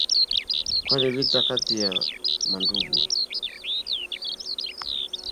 Kwani vita kati ya mandugu.